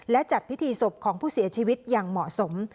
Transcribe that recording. และจัดพิธีศพของผู้เสียชีวิตอย่างเหมาะสม